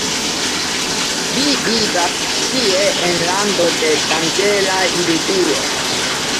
Vi vivas ĉi tie en lando de danĝera iluzio.